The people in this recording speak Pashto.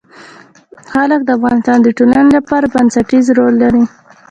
جلګه د افغانستان د ټولنې لپاره بنسټيز رول لري.